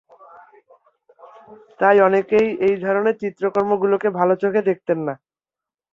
তাই অনেকেই এই ধরনের চিত্রকর্ম গুলোকে ভালো চোখে দেখতেন না।